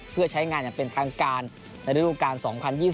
เพื่อใช้งานอย่างเป็นทางการในฤดูการ๒๐๒๐